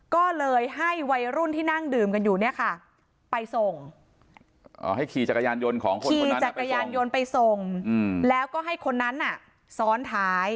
ก็ให้วัยรุ่นที่นั่งดื่มกันอยู่เนี่ยค่ะไปส่ง